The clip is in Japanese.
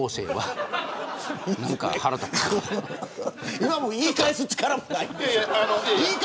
今、もう言い返す力もない。